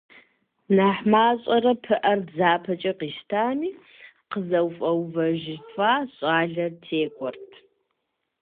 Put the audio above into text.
Нэхъ мащӀэрэ пыӀэр дзапэкӀэ къищтами, къызэфӀэувэжыфа щӀалэр текӀуэрт.